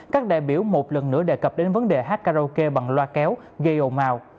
các đại biểu một lần nữa đề cập đến vấn đề hát karaoke bằng loa kéo gây ồn màu